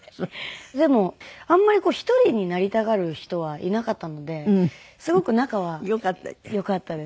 でもあんまり１人になりたがる人はいなかったのですごく仲は良かったですね。